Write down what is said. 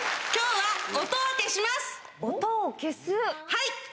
はい！